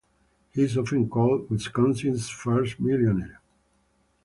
He is often called Wisconsin's first millionaire.